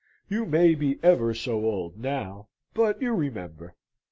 You may be ever so old now; but you remember.